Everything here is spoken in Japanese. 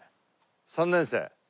３年生。